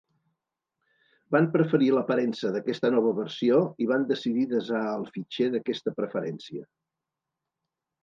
Van preferir l'aparença d'aquesta nova versió i van decidir desar el fitxer d'aquesta preferència.